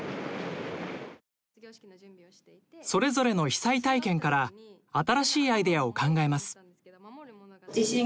それぞれの被災体験から新しいアイデアを考えます。